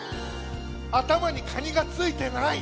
あたまにカニがついてない！